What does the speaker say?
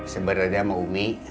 sebenarnya sama umi